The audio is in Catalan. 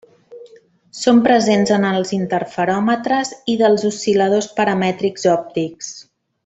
Són presents en els interferòmetres i dels oscil·ladors paramètrics òptics.